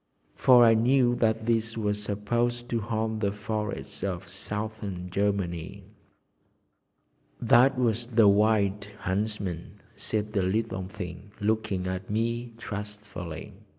For I knew that these were supposed to haunt the forests of Southern Germany. "That was the Wild Huntsman," said the little thing, looking at me trustfully.